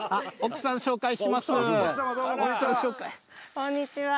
こんにちは。